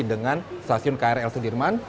dengan stasiun krl sedirman